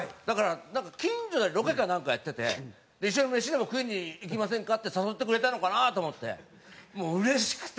だからなんか近所でロケかなんかやってて「一緒に飯でも食いに行きませんか？」って誘ってくれたのかなと思って。